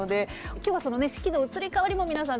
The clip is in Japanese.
今日はその四季の移り変わりも皆さん